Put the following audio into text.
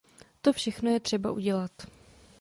To všechno je třeba udělat.